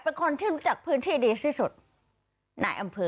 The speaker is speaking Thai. เป็นคนที่รู้จักพื้นที่ดีที่สุดในอำเภอ